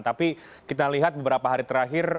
tapi kita lihat beberapa hari terakhir